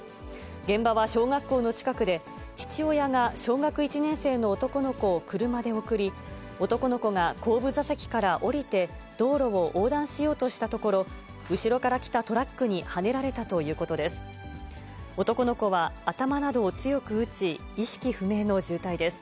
現場は小学校の近くで、父親が小学１年生の男の子を車で送り、男の子が後部座席から降りて、道路を横断しようとしたところ、後ろから来たトラックにはねられたということです。